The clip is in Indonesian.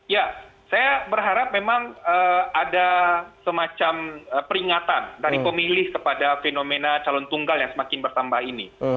ya saya berharap memang ada semacam peringatan dari pemilih kepada fenomena calon tunggal yang semakin bertambah ini